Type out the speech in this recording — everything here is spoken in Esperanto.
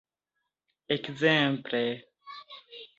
ekzemple